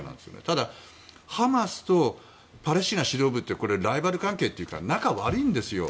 ただ、ハマスとパレスチナ指導部ってこれ、ライバル関係というか仲が悪いんですよ。